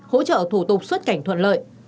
hỗ trợ thủ tục xuất cảnh thuận lợi